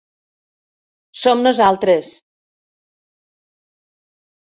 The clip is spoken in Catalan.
Som nosaltres.